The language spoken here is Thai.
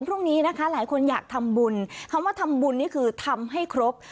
พรุ่งนี้นะคะหลายคนอยากทำบุญคำว่าทำบุญนี่คือทำให้ครบ